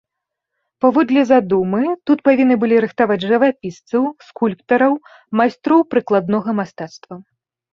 Паводле задумы, тут павінны былі рыхтаваць жывапісцаў, скульптараў, майстроў прыкладнога мастацтва.